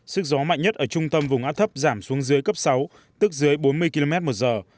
sức gió mạnh nhất ở trung tâm vùng áp thấp giảm xuống dưới cấp sáu tức dưới bốn mươi km một giờ